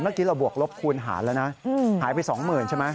เมื่อกี้เราบวกลบคูณหารแล้วนะหายไป๒๐๐๐ใช่ไหม